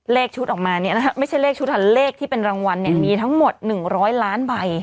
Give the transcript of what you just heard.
เลขชุดออกมาเนี้ยนะครับไม่ใช่เลขชุดอ่ะเลขที่เป็นรางวัลเนี้ยมีทั้งหมดหนึ่งร้อยล้านใบ